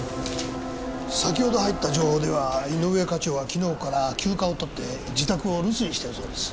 先ほど入った情報では井上課長は昨日から休暇を取って自宅を留守にしてるそうです。